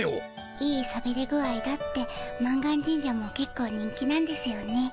いいさびれ具合だって満願神社もけっこう人気なんですよね。